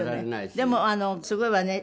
でもすごいわね